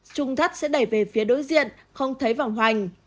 trung thất sẽ đẩy về phía đối diện không thấy vòng hoành